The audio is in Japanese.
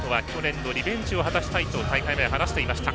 成本は去年のリベンジを果たしたいと大会前、話していました。